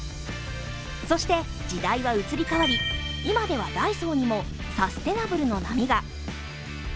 そして時代は移り変わり、今ではダイソーにもサステイナブルの波が。